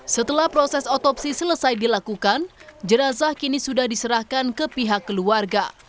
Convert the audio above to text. setelah proses otopsi selesai dilakukan jenazah kini sudah diserahkan ke pihak keluarga